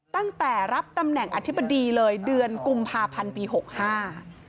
ตั้งแต่รับตำแหน่งอธิบดีเลยเดือนกุมภาพันธ์ปีหกห้า